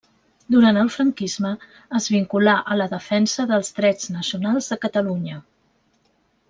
Durant el franquisme es vinculà a la defensa dels drets nacionals de Catalunya.